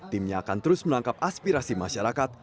timnya akan terus menangkap aspirasi masyarakat